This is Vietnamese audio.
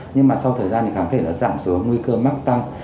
nhưng mà sau thời gian thì kháng thể đã giảm xuống nguy cơ mắc tăng